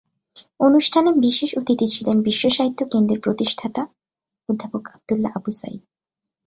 অনুষ্ঠানে বিশেষ অতিথি ছিলেন বিশ্বসাহিত্য কেন্দ্রের প্রতিষ্ঠাতা অধ্যাপক আবদুল্লাহ আবু সায়ীদ।